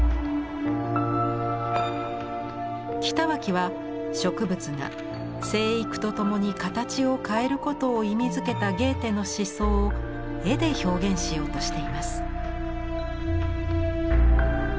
北脇は植物が生育とともに形を変えることを意味づけたゲーテの思想を絵で表現しようとしています。